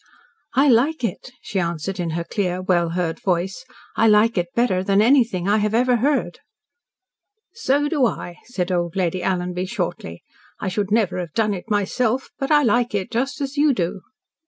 "I like it," she answered, in her clear, well heard voice. "I like it better than anything I have ever heard." "So do I," said old Lady Alanby shortly. "I should never have done it myself but I like it just as you do."